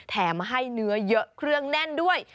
แถมให้เนื้อเยอะเครื่องแน่นด้วย